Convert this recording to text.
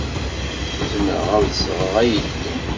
Zemreɣ ad d-sɣeɣ aydi?